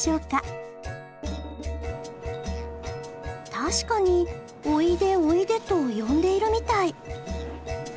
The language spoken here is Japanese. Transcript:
確かにおいでおいでと呼んでいるみたい。